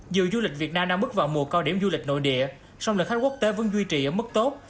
dù du lịch việt nam đang bước vào mùa cao điểm du lịch nội địa song lượng khách quốc tế vẫn duy trì ở mức tốt